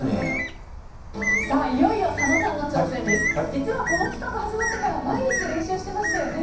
実はこの企画が始まってから毎日練習してましたよね。